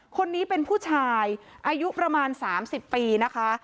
คนนี้เป็นผู้ชายอายุประมาณ๓๐ปีนะคะ